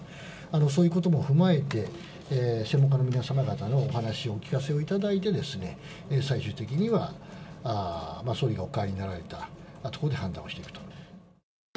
そういうことも踏まえて、専門家の皆様方のお話をお聞かせをいただいて、最終的には総理がお帰りになられたところで判断をしていくと。